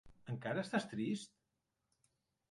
Encara estàs trist?